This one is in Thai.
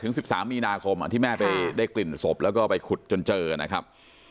๑๓มีนาคมที่แม่ไปได้กลิ่นศพแล้วก็ไปขุดจนเจอนะครับ